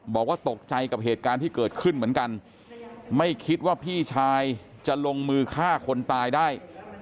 บอกว่าตกใจกับเหตุการณ์ที่เกิดขึ้นเหมือนกันไม่คิดว่าพี่ชายจะลงมือฆ่าคนตายได้